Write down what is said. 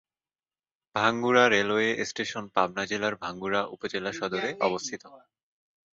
Bhangura railway station Pabna জেলার ভাঙ্গুড়া উপজেলা সদরে অবস্থিত।